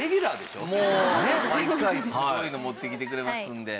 毎回すごいの持ってきてくれますんで。